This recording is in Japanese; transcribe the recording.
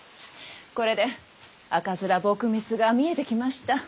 これで赤面撲滅が見えてきました。